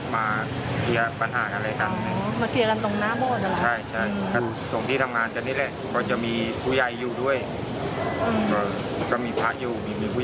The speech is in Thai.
แม่งวิ่งออกไปอยู่